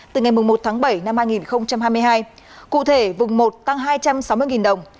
từ ngày một bảy hai nghìn hai mươi hai cụ thể vùng một tăng hai trăm sáu mươi đồng